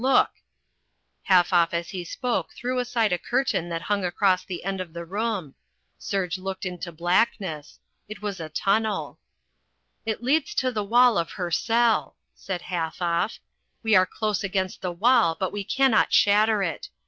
Look " Halfoff as he spoke threw aside a curtain that hung across the end of the room. Serge looked into blackness. It was a tunnel. "It leads to the wall of her cell," said Halfoff. "We are close against the wall but we cannot shatter it.